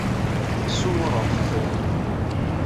Lliɣ ssumureɣ-d tifratin.